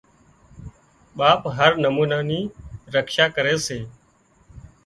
ٻاپ هر نمونا نِي رڪشا ڪري سي